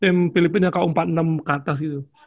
tim filipina ku empat puluh enam ke atas gitu